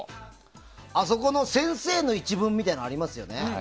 あそこの先生の一文みたいなのありますよね。